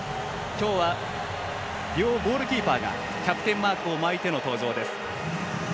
今日は両ゴールキーパーがキャプテンマークを巻いての登場です。